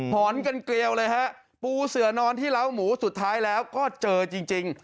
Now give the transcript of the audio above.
อนกันเกลียวเลยฮะปูเสือนอนที่เล้าหมูสุดท้ายแล้วก็เจอจริง